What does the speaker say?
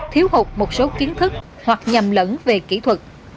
thiếu hụt một số kiến thức hoặc nhầm lẫn về kỹ thuật